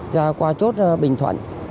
ra qua chốt bình thoạn